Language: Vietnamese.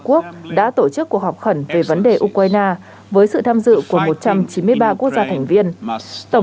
quốc đã tổ chức cuộc họp khẩn về vấn đề ukraine với sự tham dự của một trăm chín mươi ba quốc gia thành viên tổng